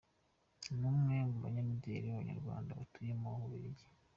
Ni umwe mu banyamideli b’Abanyarwanda batuye mu Bubiligi.